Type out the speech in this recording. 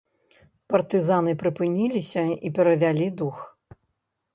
Партызаны прыпыніліся і перавялі дух.